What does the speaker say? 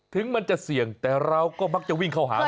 ถึงมันจะเสี่ยงแต่เราก็มักจะวิ่งเข้าหา